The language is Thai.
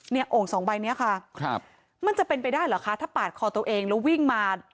โอ่งสองใบเนี้ยค่ะครับมันจะเป็นไปได้เหรอคะถ้าปาดคอตัวเองแล้ววิ่งมา